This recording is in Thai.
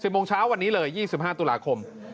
โมงเช้าวันนี้เลย๒๕ตุลาคม